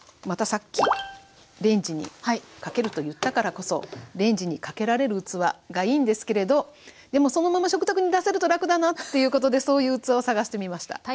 またさっきレンジにかけると言ったからこそレンジにかけられる器がいいんですけれどでもそのまま食卓に出せると楽だなっていうことでそういう器を探してみました。